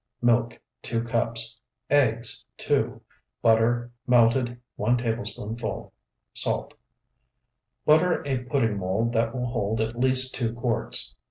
Milk, 2 cups. Eggs, 2. Butter, melted, 1 tablespoonful. Salt. Butter a pudding mold that will hold at least two quarts.